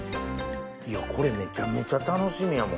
これめちゃめちゃ楽しみやもん。